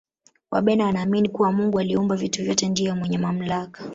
wabena wanaamini kuwa mungu aliumba vitu vyote ndiye mwenye mamlaka